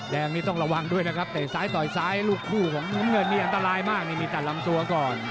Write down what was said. แดงนี่ต้องระวังด้วยนะครับเตะซ้ายต่อยซ้ายลูกคู่ของน้ำเงินนี่อันตรายมากนี่มีตัดลำตัวก่อน